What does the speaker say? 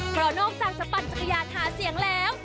เพราะนอกจากจะปั่นจักรยานหาเสียงแล้ว